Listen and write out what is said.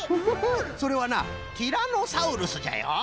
それはなティラノサウルスじゃよ。